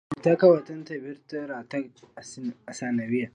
الوتکه وطن ته بېرته راتګ آسانوي.